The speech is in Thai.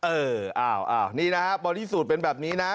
เออนี่นะฮะบรอดีสูตรเป็นแบบนี้นะฮะ